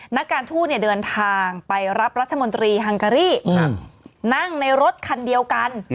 นักการทูตเดินทางไปรับรัฐมนตรีฮังการี่นั่งในรถคันเดียวกัน